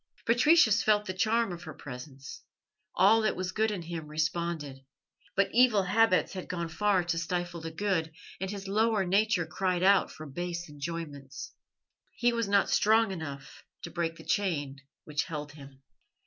Patricius felt the charm of her presence; all that was good in him responded; but evil habits had gone far to stifle the good, and his lower nature cried out for base enjoyments. He was not strong enough to break the chain which held him.